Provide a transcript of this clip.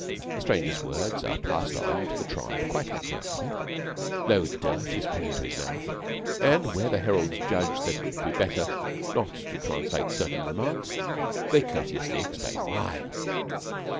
A stranger's words are passed on to the tribe quite accurately; no dirt is put into his mouth, and where the heralds judge that it would be better not to translate certain remarks they courteously explain why.